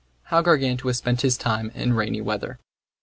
How Gargantua spent his time in rainy weather.